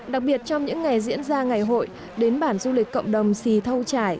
đặc biệt trong những ngày diễn ra ngày hội đến bản du lịch cộng đồng xì thâu trải